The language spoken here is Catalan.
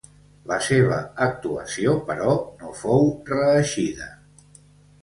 La seva actuació, però, no fou reeixida.